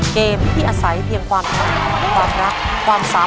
เกมที่อาศัยเพียงความรักความสามารถความสามารถ